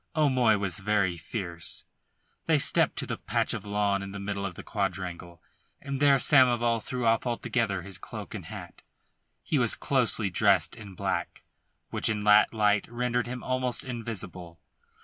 O'Moy was very fierce. They stepped to the patch of lawn in the middle of the quadrangle, and there Samoval threw off altogether his cloak and hat. He was closely dressed in black, which in that light rendered him almost invisible.